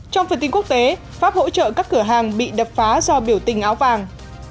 trong phần tin quốc tế pháp hỗ trợ các cửa hàng bị đập phá do biểu tình áo vàng